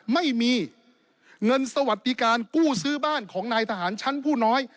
ไม่มีเงินสวัสดิการกู้ซื้อบ้านของนายทหารชั้นผู้น้อย